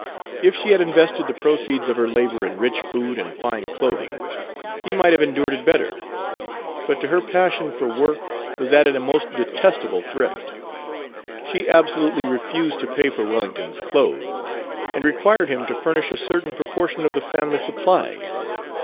If she had invested the proceeds of her labor in rich food and fine clothing, he might have endured it better; but to her passion for Page 213 work was added a most detestable thrift. She absolutely refused to pay for Wellington's clothes, and required him to furnish a certain proportion of the family supplies.